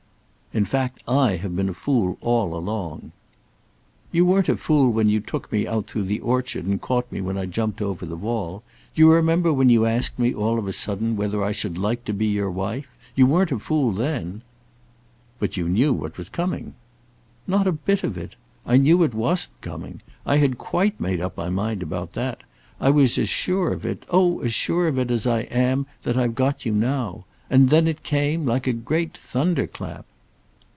"In fact I have been a fool all along." "You weren't a fool when you took me out through the orchard and caught me when I jumped over the wall. Do you remember when you asked me, all of a sudden, whether I should like to be your wife? You weren't a fool then." "But you knew what was coming." "Not a bit of it. I knew it wasn't coming. I had quite made up my mind about that. I was as sure of it; oh, as sure of it as I am that I've got you now. And then it came; like a great thunderclap."